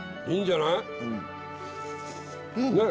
いいんじゃない。